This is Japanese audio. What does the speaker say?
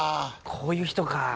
こういう人か。